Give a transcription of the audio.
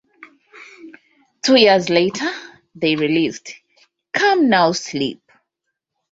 Two years later, they released "Come Now Sleep".